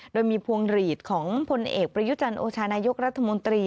โดยมีพวงหลีดของพลเอกประยุจันโอชานายกรัฐมนตรี